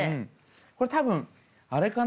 これ多分あれかな？